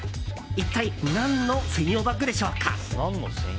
一体、何の専用バッグでしょうか。